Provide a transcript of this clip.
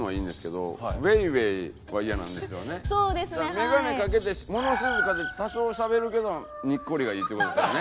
メガネかけて物静かで多少しゃべるけどにっこりがいいっていう事ですよね？